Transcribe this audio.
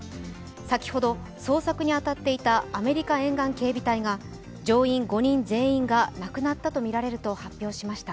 先ほど、捜索に当たっていたアメリカ沿岸警備隊が乗員５人全員が亡くなったとみられると発表しました。